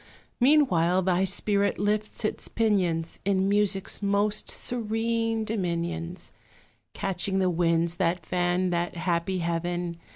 Meanwhile thy spirit lifts its pinions In music's most serene dominions; Catching the winds that fan that happy heaven.